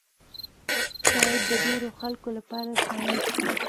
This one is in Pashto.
شاید د ډېرو خلکو لپاره ساینس وي